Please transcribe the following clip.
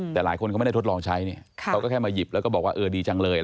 แต่หลายคนก็ไม่ได้ทดลองใช้เราก็แค่มาหยิบแล้วก็บอกว่าดีจังเลย